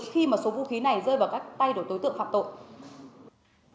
khi mà số vũ khí này rơi vào các tay đổi tối tượng phạm tội